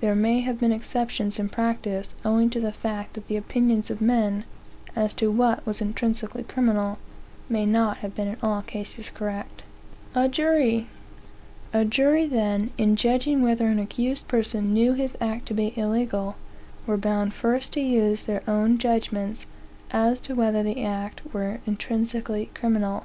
There may have been exceptions in practice, owing to the fact that the opinions of men, as to what was intrinsically. criminal, may not have been in all cases correct.) A jury, then, in judging whether an accused person knew his act to be illegal, were bound first to use their own judgments, as to whether the act were intrinsically criminal.